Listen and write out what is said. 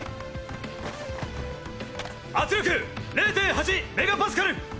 圧力０．８メガパスカル。